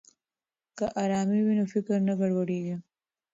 که ارامي وي نو فکر نه ګډوډیږي.